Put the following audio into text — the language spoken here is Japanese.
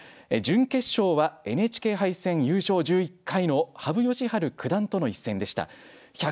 準決勝はＮＨＫ杯戦優勝１１回の羽生善治九段との一戦でした。